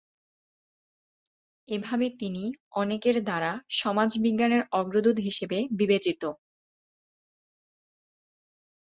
এভাবে তিনি অনেকের দ্বারা সমাজবিজ্ঞানের অগ্রদূত হিসেবে বিবেচিত।